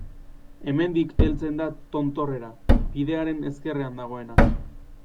Hemendik heltzen da tontorrera, bidearen ezkerrean dagoena.